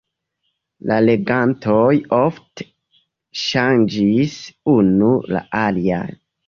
La regantoj ofte ŝanĝis unu la alian.